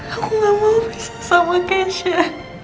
aku nggak mau bisa sama keisha